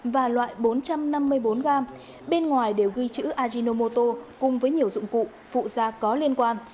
và loại bốn trăm năm mươi bốn gram bên ngoài đều ghi chữ ajinomoto cùng với nhiều dụng cụ phụ gia có liên quan